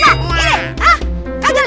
yang marah marah siapa ini